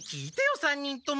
３人とも！